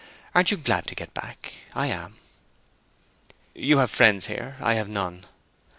"Aren't you glad to get back? I am." "You have friends here. I have none."